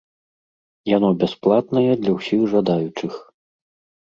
Яно бясплатнае для ўсіх жадаючых.